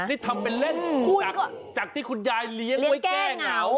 นี่ทำเป็นเล่นจากที่คุณยายเลี้ยงไว้แก้เหงา